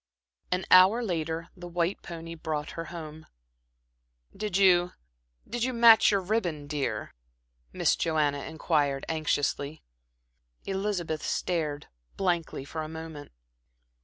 An hour later the white pony brought her home. "Did you did you match your ribbon, dear?" Miss Joanna inquired anxiously. Elizabeth stared blankly for a moment.